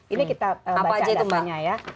ini kita baca semuanya ya